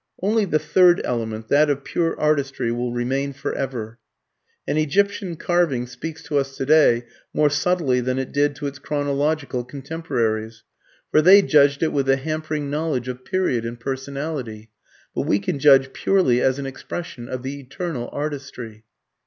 Only the third element that of pure artistry will remain for ever. An Egyptian carving speaks to us today more subtly than it did to its chronological contemporaries; for they judged it with the hampering knowledge of period and personality. But we can judge purely as an expression of the eternal artistry.